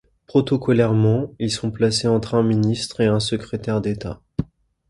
Protocolairement, ils sont placés entre un ministre et un secrétaire d'État.